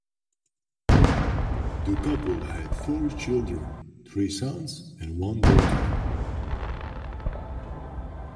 The couple had four children, three sons and one daughter.